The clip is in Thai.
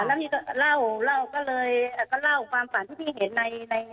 แล้วพี่ก็เล่าความฝันที่พี่เห็นใน